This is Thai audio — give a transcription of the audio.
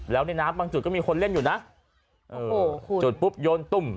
แล้วในน้ำบางจุดก็มีคนเล่นอยู่นะโอ้โหจุดปุ๊บโยนตุ้ม